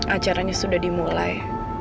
acaranya sudah dimulai